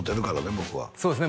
僕はそうですね